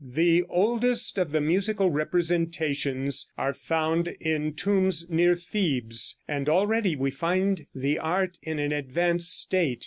The oldest of the musical representations are found in tombs near Thebes, and already we find the art in an advanced state.